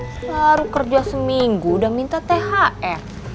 baru kerja seminggu udah minta thr